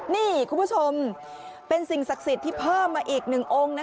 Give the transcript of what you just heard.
นี่คุณผู้ชมเป็นสิ่งศักดิ์สิทธิ์ที่เพิ่มมาอีกหนึ่งองค์